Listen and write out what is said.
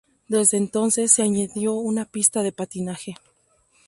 Desde entonces se añadió una pista de patinaje.